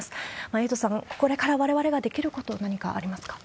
エイトさん、これからわれわれができること、何かありますか？